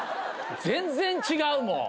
全然違うもう。